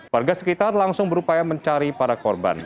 warga sekitar langsung berupaya mencari para korban